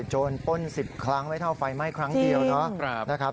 โจทย์ป้นสิบครั้งไว้ท่าวไฟไหม้ครั้งเดียวนะครับ